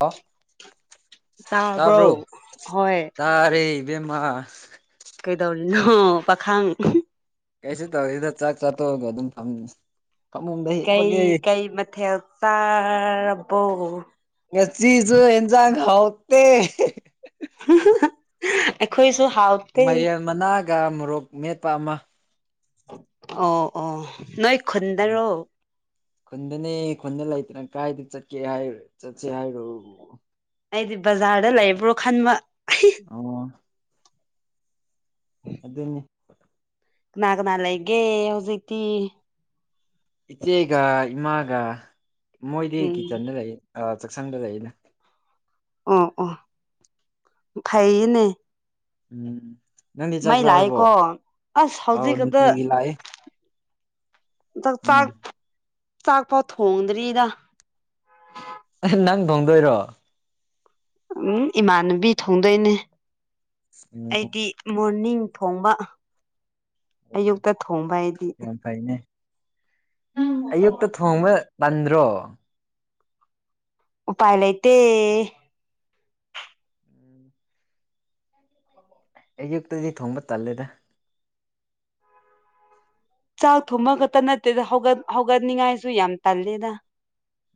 ꯑꯣ ꯇꯥꯕ꯭ꯔꯣ ꯇꯥꯔꯦ ꯏꯕꯦꯝꯃꯥ ꯀꯩꯗꯧꯔꯤꯅꯣ ꯄꯥꯈꯪ ꯏꯍꯤ ꯀꯩꯁꯨ ꯇꯧꯗꯦꯗ ꯆꯥꯛ ꯆꯥꯊꯣꯛ ꯑꯒ ꯑꯗꯨꯝ ꯐꯝ ꯐꯃꯨꯡꯗ ꯀꯩ ꯍꯤꯞꯄꯒꯦ ꯀꯩ ꯃꯊꯦꯜ ꯆꯥꯔꯕꯣ ꯉꯆꯤꯖꯨ ꯌꯦꯟꯖꯥꯡ ꯍꯥꯎꯇꯦ ꯍꯤꯍꯤ ꯑꯩꯈꯣꯏꯁꯨ ꯍꯥꯎ ꯃꯥꯏꯔꯦꯟ ꯃꯅꯥꯒ ꯃꯣꯔꯣꯛ ꯃꯦꯠꯄ ꯑꯃ ꯑꯣ ꯑꯣ ꯅꯣꯏ ꯈꯨꯟꯗꯔꯣ ꯈꯨꯟꯗꯅꯦ ꯈꯨꯟꯗ ꯂꯩꯇꯅ ꯀꯥꯏꯗ ꯆꯠꯀꯦ ꯍꯥꯏꯔ ꯆꯠꯁꯦ ꯍꯥꯏꯔꯣ ꯑꯩꯗꯤ ꯕꯖꯥꯔꯗ ꯂꯩꯕ꯭ꯔꯣ ꯈꯟꯕ [unintelligible] ꯑꯣ ꯑꯗꯨꯅꯤ ꯀꯅꯥ ꯀꯅꯥ ꯂꯩꯒꯦ ꯍꯧꯖꯤꯛꯇꯤ ꯏꯆꯦꯒ ꯏꯃꯥꯒ ꯃꯣꯏꯗꯤ ꯎꯝ ꯀꯤꯠꯆꯟꯗ ꯂꯩꯌꯦ ꯑ ꯆꯥꯛꯁꯪꯗ ꯂꯩꯌꯦꯅ ꯑꯣ ꯑꯣ ꯐꯩꯌꯤꯅꯦ ꯎꯝ ꯅꯪꯗꯤ ꯆꯥꯛ ꯃꯩ ꯆꯥꯔꯕꯣ ꯂꯥꯛꯑꯦꯀꯣ ꯑꯁ ꯑꯧ ꯍꯧꯖꯤꯛ ꯈꯛꯇ ꯅꯨꯡꯇꯤꯒꯤ ꯂꯥꯛꯑꯦ ꯆꯥꯛ ꯎꯝ ꯆꯥꯛ ꯆꯥꯛ ꯐꯥꯎ ꯊꯣꯡꯗ꯭ꯔꯤꯗ [unintelligible] ꯅꯪ ꯊꯣꯡꯗꯣꯏꯔꯣ ꯎꯝ ꯏꯃꯥꯟꯅꯕꯤ ꯊꯣꯡꯗꯣꯏꯅꯦ ꯎꯝ ꯑꯩꯗꯤ ꯃꯣꯔꯅꯤꯡ ꯊꯣꯡꯕ ꯑꯣ ꯑꯌꯨꯛꯇ ꯊꯣꯡꯕ ꯑꯩꯗꯤ ꯌꯥꯝ ꯐꯩꯅꯦ ꯑꯌꯨꯛꯇ ꯊꯣꯡꯕ ꯇꯟꯗ꯭ꯔꯣ ꯎꯄꯥꯥꯏ ꯂꯩꯥꯇꯦ ꯎꯝ ꯑꯌꯨꯛꯇꯗꯤ ꯊꯣꯡꯕ ꯇꯜꯂꯦꯗ ꯆꯥꯛ ꯊꯣꯡꯕ ꯈꯠꯇ ꯅꯠꯇꯦꯗ ꯍꯧꯒꯠ ꯍꯧꯒꯠꯅꯤꯡꯉꯥꯏꯁꯨ ꯌꯥꯝ ꯇꯜꯂꯦꯗ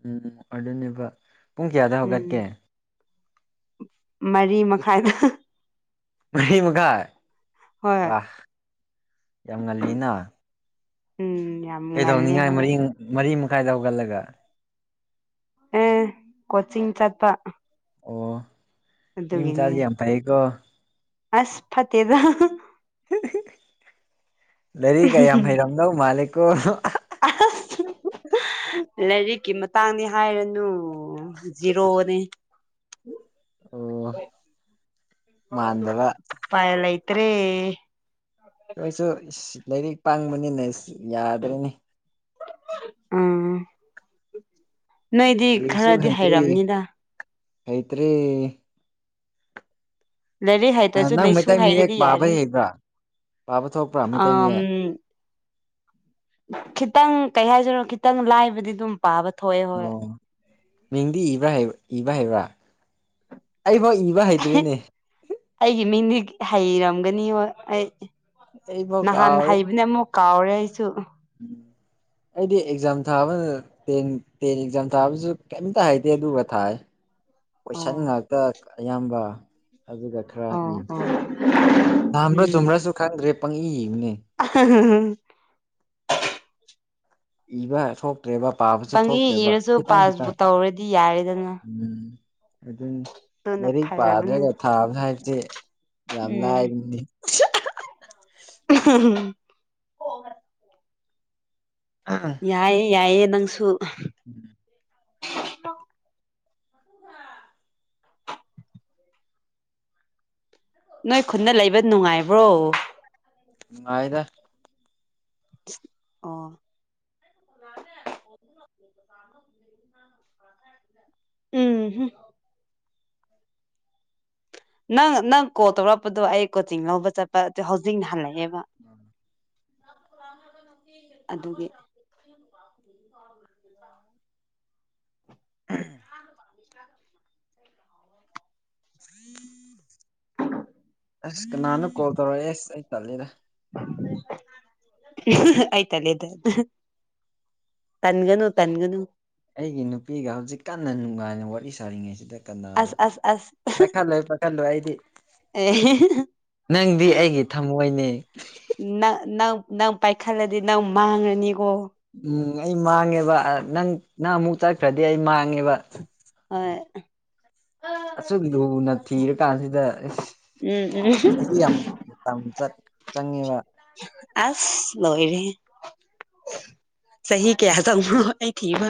ꯎꯝ ꯑꯗꯨꯅꯦꯕ ꯄꯨꯡ ꯀꯌꯥꯗ ꯎꯝ ꯍꯧꯒꯠꯀꯦ ꯃꯔꯤ ꯃꯈꯥꯏꯗ [unintelligible] ꯃꯔꯤ ꯃꯈꯥꯏ ꯍꯣꯏ ꯋꯥ ꯌꯥꯝ ꯉꯜꯂꯤꯅ ꯎꯝ ꯌꯥꯝ__ ꯀꯩꯗꯧꯅꯤꯡꯉꯥꯏ ꯃꯔꯤ ꯃꯔꯤ ꯃꯈꯥꯏꯗ ꯍꯧꯒꯠꯂꯒ ꯎꯝ ꯀꯣꯆꯤꯡ ꯆꯠꯄ ꯑꯣ ꯑꯗꯨꯒꯤꯅꯦ ꯃꯤꯃꯆꯥꯥꯗꯤ ꯌꯥꯝ ꯐꯩꯌꯦꯀꯣ ꯑꯁ ꯐꯇꯦꯗ [unintelligible] ꯂꯥꯏꯔꯤꯒ ꯌꯥꯝ ꯍꯩꯔꯝꯗꯧ ꯃꯥꯜꯂꯦꯀꯣ [unintelligible] ꯑꯁ ꯂꯥꯏꯔꯤꯛꯀꯤ ꯃꯇꯥꯡꯅꯤꯅꯦ ꯍꯥꯏꯔꯗꯨꯕꯨ ꯑꯣ ꯖꯤꯔꯣꯅꯦ ꯑꯣ ꯃꯥꯟꯗꯕ [unintelligible] ꯄꯥꯏꯌꯜ ꯂꯩꯇ꯭ꯔꯦ ꯅꯣꯏꯁꯨ ꯏꯁ ꯂꯥꯏꯔꯤꯛ ꯄꯥꯡꯕꯅꯤꯅ ꯏꯁ ꯌꯥꯗ꯭ꯔꯦꯅꯦ ꯎꯝ ꯅꯣꯏꯗꯤ ꯈꯔꯗꯤ ꯍꯩꯔꯝꯅꯤꯗꯥ ꯍꯩꯇꯔꯦ ꯂꯥꯏꯔꯤ ꯍꯩ ꯑ ꯅꯪ ꯃꯩꯇꯩ ꯃꯌꯦꯛ ꯄꯥꯕ ꯍꯩꯕ꯭ꯔꯥ ꯄꯥꯕ ꯊꯣꯛꯄ꯭ꯔꯥ ꯃꯩꯇꯩ ꯑꯝ ꯃꯌꯦꯛ ꯈꯤꯇꯪ ꯀꯩ ꯍꯥꯏꯁꯤꯔꯣ ꯈꯤꯇꯪ ꯂꯥꯏꯕꯗꯤ ꯗꯨꯝ ꯄꯥꯕ ꯊꯣꯑꯦ ꯑꯣ ꯃꯤꯡꯗꯤ ꯏꯕ꯭ꯔꯥ ꯏꯕ ꯍꯩꯕ꯭ꯔꯥ ꯑꯩ ꯐꯥꯎ ꯏꯕ ꯍꯩ ꯗ꯭ꯔꯤꯅꯦ ꯑꯩꯒꯤ ꯃꯤꯡꯗꯤ ꯍꯩꯔꯝꯒꯅꯤ ꯍꯣꯏ ꯑꯩ ꯑꯩꯐꯥꯎ ꯅꯍꯥꯟ ꯍꯩꯕꯅꯦ ꯑꯃꯨꯛ ꯀꯥꯎꯔꯦ ꯑꯩꯁꯨ ꯎꯝ ꯑꯩꯗꯤ ꯑꯦꯛꯖꯥꯝ ꯊꯥꯕ ꯇꯦꯟ ꯇꯦꯟ ꯑꯦꯛꯖꯥꯝ ꯊꯥꯕꯁꯨ ꯀꯩꯝꯇ ꯍꯥꯏꯇꯦ ꯑꯗꯨꯒ ꯊꯥꯏ꯫ ꯀꯣꯏꯁꯟ ꯑꯣ ꯉꯥꯛꯇ ꯑꯌꯥꯝꯕ ꯑꯗꯨꯒ ꯈꯔ ꯑꯣ ꯏ ꯑꯣ ꯂꯥꯟꯕ꯭ꯔ ꯎꯝ ꯆꯨꯝꯕ꯭ꯔꯁꯨ ꯈꯪꯗ꯭ꯔꯦ ꯄꯪꯏ ꯏꯕꯅꯦ꯫ [unintelligible] ꯏꯕ ꯁꯣꯛ ꯊꯣꯛꯇ꯭ꯔꯦꯕ ꯄꯥꯕꯁꯨ ꯄꯪꯏ ꯊꯣꯛꯇ꯭ꯔꯦꯕ ꯏꯔꯁꯨ ꯈꯤꯇꯪ ꯄꯥꯁꯕꯨ ꯈꯤꯇꯪ ꯇꯧꯔꯗꯤ ꯌꯥꯔꯦꯗꯅ ꯎꯝ꯫ ꯑꯗꯨꯅꯤ ꯑꯗꯨꯅ ꯂꯥꯏꯔꯤꯛ ꯐꯔꯕꯅꯤ ꯄꯥꯗ꯭ꯔꯒ ꯊꯥꯕ ꯍꯥꯏꯕꯁꯦ ꯌꯥꯝ ꯎꯝ ꯂꯥꯏꯕꯅꯤ꯫ [unintelligible] [unintelligible] ꯌꯥꯏꯌꯦ ꯌꯥꯏꯌꯦ ꯅꯪꯁꯨ꯫ ꯎꯝ ꯅꯣꯏ ꯈꯨꯟꯅ ꯂꯩꯕ ꯅꯨꯡꯉꯥꯏꯕ꯭ꯔꯣ? ꯅꯨꯡꯉꯥꯏꯗ꯫ ꯑꯣ [inaudible] [unintelligible] ꯅꯪ ꯅꯪ ꯀꯣꯜ ꯇꯧꯔꯛꯄꯗꯣ ꯑꯩ ꯀꯣꯆꯤꯡ ꯂꯧꯕ ꯆꯠꯄ ꯑꯗꯨ ꯍꯧꯖꯤꯛꯅ ꯍꯜꯂꯛꯑꯦꯕ꯫ [inaudible] ꯑꯗꯨꯒꯤ꯫ [inaudible] [inaudible] ꯑꯁ ꯀꯅꯥꯅꯣ ꯀꯣꯜ ꯇꯧꯔꯛꯑꯦ ꯑꯦꯁ ꯑꯩ ꯇꯜꯂꯦꯗ꯫ ꯑꯩ ꯇꯥꯜꯂꯦꯗ꯫ ꯇꯟꯒꯅꯨ ꯇꯟꯒꯅꯨ꯫ ꯑꯩꯒꯤ ꯅꯨꯄꯤꯒ ꯍꯧꯖꯤꯛ ꯀꯟꯅ ꯅꯨꯡꯉꯥꯏꯅ ꯋꯥꯔꯤ ꯁꯥꯔꯤꯉꯩꯁꯤꯗ ꯀꯅꯥꯔ ꯑꯁ ꯑꯁ ꯑꯁ ꯄꯥꯏꯈꯠꯂꯣꯏꯗ꯫ ꯈꯠꯂꯣꯏ ꯑꯩꯗꯤ꯫ ꯑꯦ [unintelligible] ꯅꯪꯗꯤ ꯑꯩꯒꯤ ꯊꯝꯃꯣꯏꯅꯦ꯫ ꯅꯪ ꯅꯪ ꯅꯪ ꯄꯥꯏꯈꯠꯂꯗꯤ ꯅꯪ ꯃꯥꯡꯉꯅꯤꯀꯣ꯫ ꯎꯝ ꯑꯩ ꯃꯥꯡꯉꯦꯕ ꯅꯪ ꯅꯪ ꯑꯃꯨꯛ ꯆꯠꯈ꯭ꯔꯗꯤ ꯑꯩ ꯃꯥꯡꯉꯦꯕ꯫ ꯍꯣꯏ꯫ ꯑꯁꯨꯛ ꯂꯨꯅ ꯊꯤꯔꯀꯥꯟꯁꯤꯗ ꯑꯁ ꯎꯝ ꯎꯝ ꯆꯍꯤ ꯌꯥꯝ ꯃꯇꯝ ꯆꯠ ꯆꯪꯉꯤꯕ꯫ ꯑꯁ ꯂꯣꯏꯔꯦꯍꯦ꯫ ꯆꯍꯤ ꯀꯌꯥ ꯆꯪꯕ꯭ꯔꯣ ꯑꯩ ꯊꯤꯕ꯫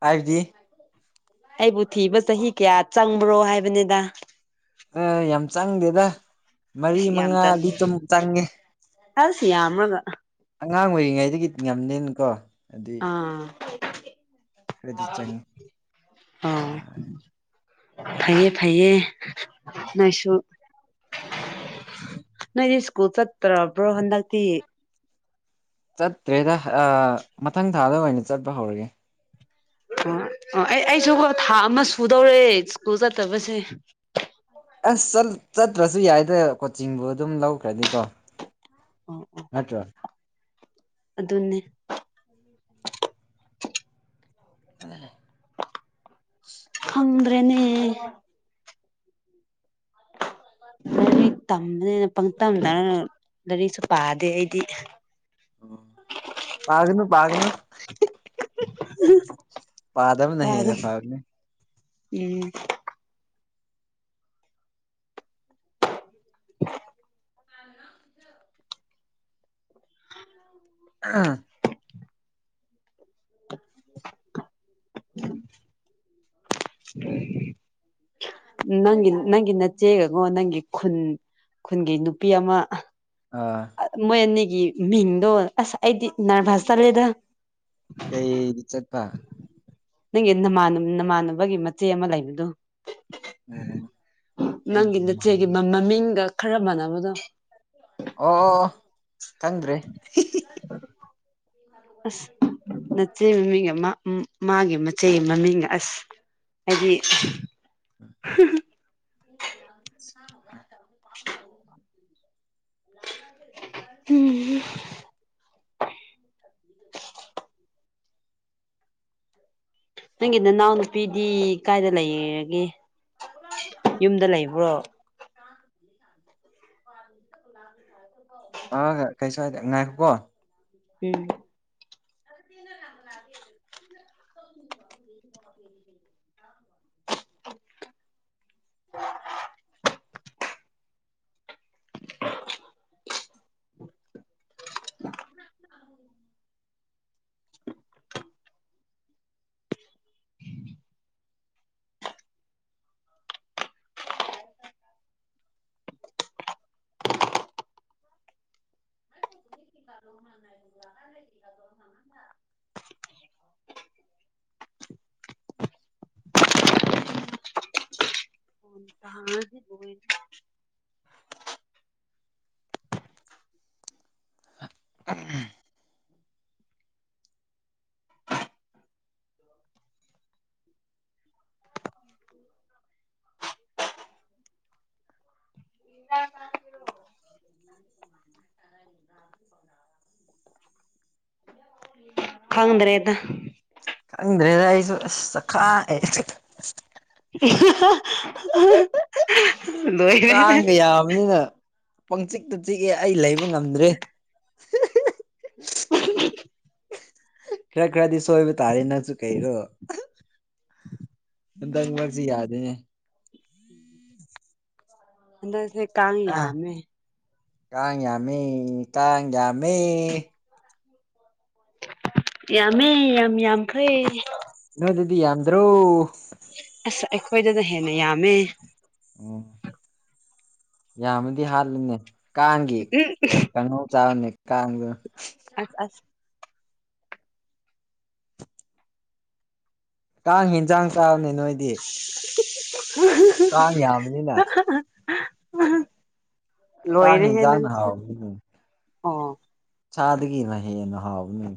ꯍꯥꯏꯕꯗꯤ? ꯑꯩꯕꯨ ꯊꯤꯕ ꯆꯍꯤ ꯀꯌꯥ ꯆꯪꯕ꯭ꯔꯣ ꯍꯥꯏꯕꯅꯤꯗ꯫ ꯑꯥ ꯌꯥꯝ ꯆꯪꯗꯦꯗ ꯃꯔꯤ ꯑꯁ ꯌꯥꯝ ꯃꯉꯥꯗꯤ ꯆꯪꯉꯦ ꯆꯨꯝ ꯆꯪꯉꯦ꯫ ꯑꯁ ꯌꯥꯝꯔꯒ꯫ ꯑꯉꯥꯡ ꯑꯣꯏꯔꯤꯉꯩꯗꯒꯤ ꯇꯤꯅꯝꯅꯤꯅ ꯀꯣ꯫ ꯑꯥ ꯈꯔꯗꯤ ꯆꯪꯉꯤ ꯑꯥ ꯋꯥꯔꯦ꯫ ꯐꯩꯌꯦ ꯐꯩꯌꯦ ꯅꯣꯏꯁꯨ꯫ ꯅꯣꯏꯗꯤ ꯏꯁꯀꯨꯜ ꯆꯠꯇ꯭ꯔꯕ꯭ꯔꯣ ꯍꯟꯗꯛꯇꯤ? ꯆꯠꯇ꯭ꯔꯦꯗ ꯃꯊꯪ ꯊꯥꯗ ꯑꯣꯏꯅ ꯆꯠꯄ ꯍꯧꯔꯒꯦ [unintelligible] ꯑꯣ ꯑꯣ ꯑꯩ ꯑꯩꯁꯨ ꯊꯥ ꯑꯃ ꯁꯨꯗꯧꯔꯦ ꯁ꯭ꯀꯨꯜ ꯆꯠꯇꯕꯁꯦ ꯑꯁ ꯆꯠ ꯆꯠꯇ꯭ꯔꯁꯨ ꯌꯥꯏꯗ ꯀꯣꯆꯤꯡꯕꯨ ꯑꯗꯨꯝ ꯂꯧꯈ꯭ꯔꯗꯤꯀꯣ ꯑꯣ [unintelligible] ꯅꯠꯇ꯭ꯔ ꯑꯗꯨꯅꯤ [unintelligible] [unintelligible] ꯈꯪꯗ꯭ꯔꯦꯅꯦ [unintelligible] ꯂꯥꯏꯔꯤꯛ ꯇꯝꯕꯅꯦꯅ ꯄꯪꯇꯝ ꯇꯝꯔꯒ ꯂꯥꯏꯔꯤꯛꯁꯨ ꯄꯥꯗꯦ ꯑꯩꯗꯤ ꯎꯝ ꯄꯥꯒꯅꯨ ꯄꯥꯒꯅꯨ [unintelligible] ꯄꯥꯗꯕꯅ ꯍ‌ꯦꯟꯅ ꯇꯥꯔꯦ ꯐꯥꯕꯅꯤ ꯎꯝ [unintelligible] [unintelligible] ꯍꯥ [unintelligible] [unintelligible] [unintelligible] ꯅꯪꯒꯤ ꯅꯪꯒꯤ ꯅꯆꯦꯒꯀꯣ ꯅꯪꯒꯤ ꯈꯨꯟ ꯈꯨꯟꯒꯤ ꯅꯨꯄꯤ ꯑꯃ ꯑꯥ [unintelligible] ꯃꯣꯏ ꯑꯅꯤꯒꯤ ꯃꯤꯡꯗꯣ ꯑꯁ ꯑꯩꯗꯤ ꯅꯔꯚꯁ ꯆꯠꯂꯦꯗ ꯀꯩ ꯆꯠꯄ ꯅꯪꯒꯤ ꯅꯥꯃ ꯅꯃꯥꯟꯅꯕꯒꯤ ꯃꯆꯦ ꯑꯃ ꯂꯩꯕꯗꯨ ꯑꯣ [unintelligible] ꯑꯩꯒꯤ ꯅꯪꯒꯤ ꯑꯣ ꯅꯆꯦꯒꯤ ꯃ ꯃꯃꯤꯡꯒ ꯈꯔ ꯃꯥꯟꯅꯕꯗꯣ ꯑꯣ ꯈꯪꯗ꯭ꯔ‌ꯦ ꯑꯁ [unintelligible] ꯅꯆꯦ ꯃꯃꯤꯡ ꯑꯃ ꯃꯥꯒꯤ ꯃꯆꯦꯢ ꯃꯃꯤꯡꯒ ꯑꯁ ꯑꯩꯗꯤ [unintelligible] [unintelligible] [unintelligible] ꯅꯪꯒꯤ ꯅꯅꯥꯎ ꯅꯨꯄꯤꯗꯤ ꯀꯥꯏꯗ ꯂꯩꯔꯒꯦ ꯌꯨꯝꯗ ꯂꯩꯕ꯭ꯔꯣ [unintelligible] [unintelligible] ꯑ ꯀꯩꯁꯨ ꯍꯥꯏꯗ‌ꯦ ꯉꯏꯈꫭꯀꯣ ꯎꯝ [unintelligible] [unintelligible] [unintelligible] [unintelligible] [unintelligible] [unintelligible] [unintelligible] ꯈꯪꯗ꯭ꯔꯦꯗ ꯈꯪꯗ꯭ꯔꯦꯗ ꯑꯩꯁꯨ ꯑꯁ ꯆꯈꯥꯏ [unintelligible] [unintelligible] ꯂꫭꯏꯔ‌ꯦꯍꯦ ꯌꯥꯕꯅꯤꯅ ꯄꯪꯆꯤꯛꯇ ꯆꯤꯛꯑꯦ ꯑꯩ ꯂꯩꯕ ꯉꯝꯗ꯭ꯔꯦ [unintelligible] ꯈꯔ ꯈꯔꯗꯤ ꯁꯣꯏꯕ ꯇꯥꯔꯦ ꯅꯪꯁꯨ ꯀꯩꯔꯣ ꯍꯟꯗꯛ ꯃꯔꯛꯁꯤ ꯌꯥꯗꯦꯅꯦ ꯍꯟꯗꯁꯦ ꯀꯥꯡ ꯑꯥ ꯌꯥꯝꯃꯦ ꯀꯥꯡ ꯌꯥꯝꯃ‌ꯦ ꯀꯥꯡ ꯌꯥꯝꯃ‌ꯦ ꯌꯥꯝꯃꯦ ꯌꯥꯝ ꯌꯥꯝꯈ꯭ꯔꯦ ꯅꯣꯏꯗꯗꯤ ꯌꯥꯝꯗ꯭ꯔꯣ ꯑꯁ ꯑꯩꯈꯣꯏꯗꯅ ꯍꯦꯟꯅ ꯌꯥꯝꯃꯦ ꯑꯣ ꯌꯥꯝꯃꯗꯤ ꯍꯥꯜꯂꯨꯅꯦ ꯀꯥꯡꯒꯤ ꯎꯝ ꯀꯥꯡꯍꯧ ꯆꯥꯕꯅꯦ ꯀꯥꯡꯗꯨ ꯑ ꯑ [unintelligible] ꯀꯥꯡ ꯍꯤꯟꯖꯥꯡ ꯆꯥꯕꯅꯤ ꯅꯣꯏꯗꯤ ꯎ ꯀꯥꯡ ꯌꯥꯝꯕꯅꯤꯅ [unintelligible] ꯀꯥꯡ ꯂꯣꯏꯔꯦꯍꯦ ꯌꯦꯟꯖꯥꯡꯅ ꯅꯪꯁꯨ ꯑꯣ ꯆꯥꯗꯒꯤꯅ ꯍꯦꯟꯅ ꯍꯥꯎꯕꯅꯦ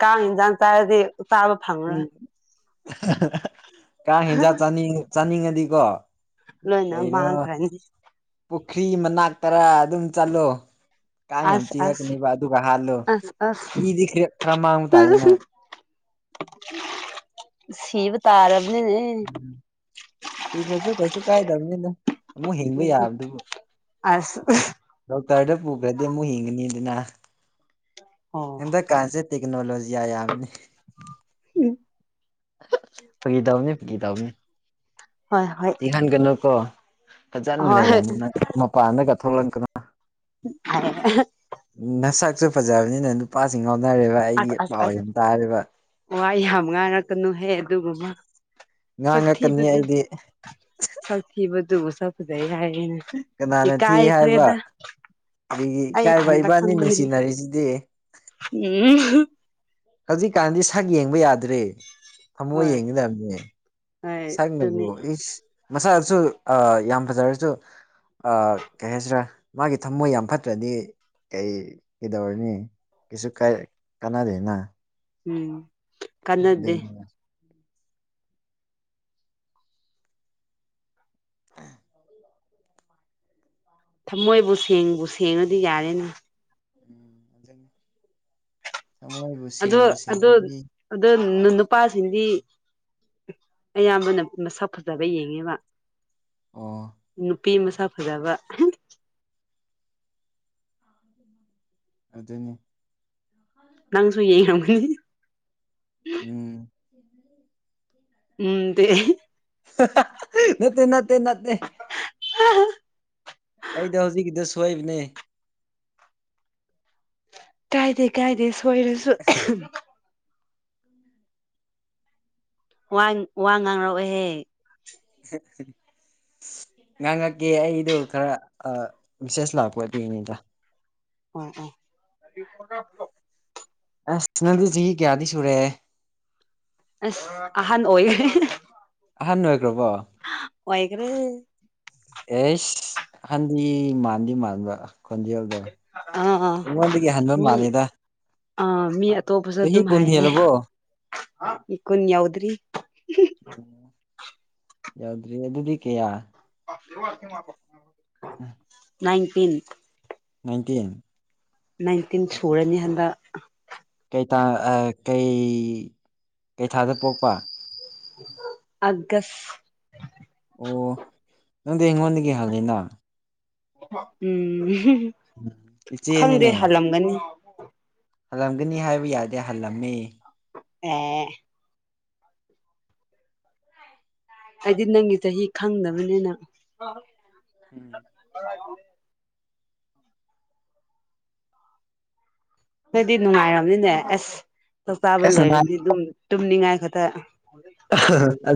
ꯀꯥꯡ ꯏꯟꯖꯥꯡ ꯆꯥꯔꯗꯤ ꯆꯥꯕ ꯐꯪꯉꯔꯣꯏ ꯎꯝ ꯀꯥꯡ ꯍꯦꯟꯖꯥꯡ ꯆꯥꯅꯤꯡ ꯆꯥꯅꯤꯡꯉꯗꯤꯀꯣ ꯂꯣꯏꯅ ꯀꯩꯅꯣ ꯃꯥꯡꯈ꯭ꯔꯅꯤ ꯄꯨꯈ꯭ꯔꯤ ꯃꯅꯥꯛꯇꯔꯥ ꯑꯗꯨꯝ ꯆꯠꯂꯣ ꯀꯥꯡ ꯌꯥꯝ ꯑꯁ ꯑꯁ ꯆꯦꯛꯂꯛꯀꯅꯦꯕ ꯑꯗꯨꯒ ꯍꯥꯜꯂꯣ ꯑꯁ ꯑꯁ ꯏꯗꯤ ꯈꯔ ꯈꯔ ꯃꯥꯡꯕ ꯇꯥꯅꯤꯅ ꯁꯤꯕ ꯇꯥꯔꯕꯅꯤꯅꯦ ꯁꯤꯈ꯭ꯔꯁꯨ ꯀꯩꯁꯨ ꯀꯥꯏꯗꯕꯅꯤꯗ ꯑꯃꯨꯛ ꯍꯤꯡꯕ ꯎꯝ ꯌꯥꯕꯗꯨꯕꯨ ꯑꯁ ꯗꯣꯛꯇꯔꯗ ꯄꯨꯈ꯭ꯔꯗꯤ ꯑꯃꯨꯛ ꯍꯤꯡꯉꯅꯤꯗꯅ ꯑꯣ ꯍꯟꯗꯛ ꯀꯥꯟꯁꯦ ꯇꯦꯛꯅꯣꯂꯣꯖꯤ ꯌꯥ ꯌꯥꯝꯅꯤ ꯐꯒꯤ ꯇꯧꯕꯅꯤ ꯐꯒꯤ ꯇꯧꯕꯅꯤ ꯍꯣꯏ ꯍꯣꯏ ꯏꯪꯍꯟꯒꯅꯨ ꯀꯣ ꯐꯖꯅ ꯍꯣꯏ ꯂꯩꯔꯝꯃꯣ ꯅꯪ ꯃꯄꯥꯟꯗ ꯀ ꯊꯣꯂꯛꯀꯅꯨ ꯔꯦ [unintelligible] ꯅꯁꯛꯁꯨ ꯐꯖꯕꯅꯤꯅ ꯅꯨꯄꯥꯁꯤꯡ ꯉꯥꯎꯅꯔꯦꯕ ꯑꯩꯒꯤ ꯑꯁ ꯄꯥꯎ ꯑꯁ ꯌꯥꯝ ꯇꯥꯔꯦꯕ ꯋꯥ ꯌꯥꯝ ꯉꯥꯏꯔꯛꯀꯅꯨꯍꯦ ꯑꯗꯨꯒꯨꯝꯕ ꯁꯛ ꯉꯥꯡꯉꯛꯀꯅꯤ ꯊꯤꯕꯗꯨ ꯑꯩꯗꯤ ꯁꯛ ꯊꯤꯕꯗꯨꯕꯨ ꯁꯛ ꯐꯒꯤ ꯍꯥꯏꯔꯦꯅꯦ ꯀꯅꯥꯅ ꯊꯤ ꯍꯥꯏꯕ ꯏꯀꯥꯏꯈ꯭ꯔꯦꯗ ꯑꯩ ꯏꯊꯟꯗ ꯈꯪꯕꯅꯤꯅ ꯑꯩꯁꯤꯗꯤ ꯎꯝ ꯍꯧꯖꯤꯛꯀꯥꯟꯗꯤ ꯁꯛ ꯌꯦꯡꯕ ꯌꯥꯗ꯭ꯔꯦ ꯊꯃꯣꯏ ꯍꯣꯏ ꯌꯦꯡꯒꯗꯕꯅꯦ ꯍꯣꯏ ꯁꯛꯅꯕꯨ ꯑꯗꯨꯅꯤ ꯏꯁ ꯃꯁꯛꯁꯨ ꯑ ꯌꯥꯝ ꯐꯖꯔꯁꯨ ꯑ ꯀꯩ ꯍꯥꯏꯁꯤꯔꯥ ꯃꯥꯒꯤ ꯊꯝꯃꯣꯏ ꯌꯥꯝ ꯐꯠꯇ꯭ꯔꯗꯤ ꯀꯩ ꯀꯩꯗꯧꯔꯅꯤ ꯀꯩꯁꯨ ꯀꯥꯏ ꯀꯥꯟꯅꯗꯦꯅ ꯎꯝ ꯀꯥꯟꯅꯗꯦ ꯑꯗꯨꯅꯤꯅ ꯑ [unintelligible] ꯊꯃꯣꯏꯕꯨ ꯁꯦꯡꯕꯨ ꯁꯦꯡꯉꯗꯤ ꯌꯥꯔꯦꯅꯦ ꯎꯝ ꯊꯃꯣꯏꯕꯨ ꯑꯗꯣ ꯁꯦꯡꯕꯨ ꯑꯗꯣ ꯁꯦꯡꯉꯗꯤ ꯑꯗꯣ ꯅꯨꯄꯥꯁꯤꯡꯗꯤ ꯑꯌꯥꯝꯕꯅ ꯃꯁꯛ ꯐꯖꯕ ꯌꯦꯡꯉꯦꯕ ꯑꯣ ꯅꯨꯄꯤ ꯃꯁꯛ ꯐꯖꯕ ꯑꯗꯨꯅꯤ ꯅꯪꯁꯨ ꯌꯦꯡꯔꯝꯒꯅꯤ ꯎꯝ ꯎꯝꯗꯤ ꯅꯠꯇꯦ ꯅꯠꯇꯦ ꯅꯠꯂꯦ [unintelligible] ꯑꯩꯗꯣ ꯍꯧꯖꯤꯛꯀꯤꯗꯣ ꯁꯣꯏꯕꯅꯦ ꯀꯥꯏꯗꯦ ꯀꯥꯏꯗꯦ ꯁꯣꯏꯔꯁꯨ ꯋꯥꯟ ꯋꯥ ꯉꯥꯡꯔꯛꯑꯣꯍꯦ [unintelligible] ꯉꯥꯡꯉꯛꯀꯦ ꯑꯩꯗꯨ ꯈꯔ ꯑ ꯃꯦꯁꯦꯁ ꯂꯥꯛꯄ ꯑꯗꯨꯏꯅꯤꯗ ꯑꯣ ꯑꯣ ꯑꯁ ꯅꯪꯗꯤ ꯆꯍꯤ ꯀꯌꯥꯗꯤ ꯁꯨꯔꯦ ꯑꯁ ꯑꯍꯟ ꯑꯣꯏꯌꯦ ꯑꯍꯟ ꯑꯣꯏꯈ꯭ꯔꯕꯣ ꯑꯣꯏꯒ꯭ꯔꯦ ꯑꯦꯁ ꯑꯍꯟꯗꯤ ꯃꯥꯟꯗꯤ ꯃꯥꯟꯕ ꯈꯣꯟꯖꯦꯜ ꯗꯣ ꯑꯥ ꯑꯥ ꯑꯩꯉꯣꯟꯗꯒꯤ ꯍꯟꯕ ꯃꯤ ꯃꯥꯜꯂꯦꯗ ꯑꯥ ꯃꯤ ꯑꯇꯣꯞꯄꯁꯨ ꯆꯍꯤ ꯑꯗꯨꯝ ꯀꯨꯟ ꯍꯥꯏꯌꯦ ꯍꯦꯜꯂꯕꯣ ꯏ ꯀꯨꯟ ꯌꯧꯗ꯭ꯔꯤ ꯌꯥꯎꯗ꯭ꯔꯤ ꯑꯗꯨꯗꯤ ꯀꯌꯥ [inaudible] ꯅꯥꯏꯟꯇꯤꯟ ꯅꯥꯏꯟꯇꯤꯟ ꯅꯥꯏꯟꯇꯤꯟ ꯁꯨꯔꯅꯤ ꯍꯟꯗꯛ ꯀꯩ ꯇꯥ ꯑ ꯀꯩ ꯀꯩ ꯊꯥꯗ ꯄꯣꯛꯄ ꯑꯒꯁ ꯑꯣ ꯅꯪꯗꯤ ꯑꯩꯉꯣꯟꯗꯒꯤ ꯍꯜꯂꯤꯅ ꯎꯝ ꯈꯪꯗꯦ ꯏꯆꯦꯅꯤꯅꯦ ꯍꯜꯂꯝꯒꯅꯤ ꯍꯜꯂꯝꯒꯅꯤ ꯍꯥꯏꯕ ꯌꯥꯗꯦ ꯍꯜꯂꯝꯃꯤ ꯑꯦ ꯍꯥꯏꯗꯤ ꯅꯪꯒꯤ ꯆꯍꯤ ꯈꯪꯗꯕꯅꯤꯅ ꯅꯣꯏꯗꯤ ꯅꯨꯡꯉꯥꯏꯔꯝꯅꯤꯅꯦ ꯑꯁ ꯂꯧꯇꯥꯕ ꯑꯁ ꯂꯣꯏꯔꯗꯤ ꯑꯗꯨꯝ ꯇꯨꯝꯅꯤꯡꯉꯥꯏ ꯈꯛꯇ ꯑ